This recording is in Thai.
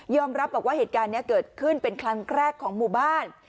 รับบอกว่าเหตุการณ์นี้เกิดขึ้นเป็นครั้งแรกของหมู่บ้าน